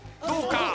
どうか？